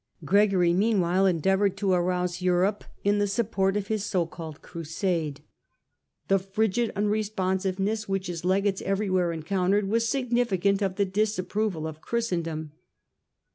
Gregory meanwhile endeavoured to arouse Europe in the support of his so called crusade. The frigid unresponsiveness which his Legates everywhere en countered was significant of the disapproval of Christen dom.